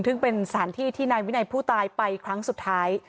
ซึ่งเป็นสถานที่ที่นายวินัยผู้ตายไปครั้งสุดท้าย